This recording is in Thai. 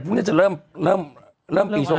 พรุ่งนี้จะเริ่มปี๒๕